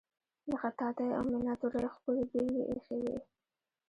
د خطاطی او میناتوری ښکلې بیلګې ایښې وې.